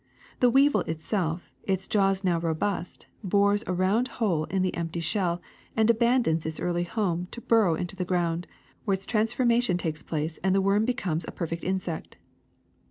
The weevil itself, its jaws now robust, bores a round hole in the empty shell and abandons its early home to burrow into the ground, where its transformation takes place and the worm becomes a perfect insect.